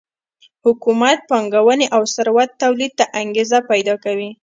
حکومت پانګونې او ثروت تولید ته انګېزه پیدا کوي